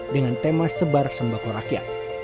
dengan tema sebar sembako rakyat